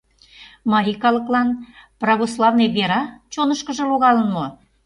Марий калыклан православный вера чонышкыжо логалын мо?